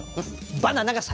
バナナが先！